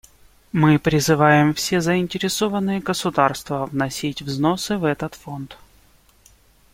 Мы призываем все заинтересованные государства вносить взносы в этот Фонд.